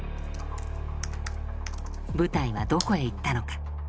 部隊はどこへ行ったのか？